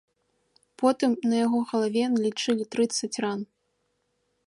Потым на яго галаве налічылі трыццаць ран.